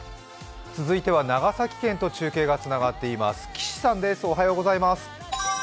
続いては長崎県と中継がつながっています。